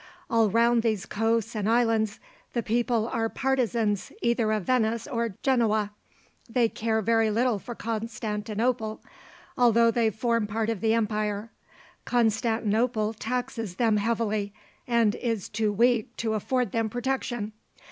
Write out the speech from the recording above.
All round these coasts and islands the people are partisans either of Venice or Genoa. They care very little for Constantinople, although they form part of the empire. Constantinople taxes them heavily, and is too weak to afford them protection.